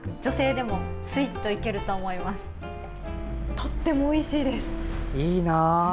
とってもおいしいです。